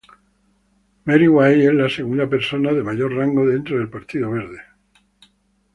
Mary White es la segunda persona de mayor rango dentro del Partido Verde.